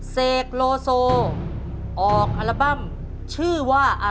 เสกโลโซออกอัลบั้มชื่อว่า